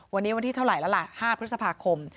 วันนี้วันที่เท่าไหร่แล้วล่ะ๕พฤษภาคม